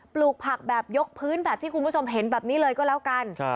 ปลูกผักแบบยกพื้นแบบที่คุณผู้ชมเห็นแบบนี้เลยก็แล้วกัน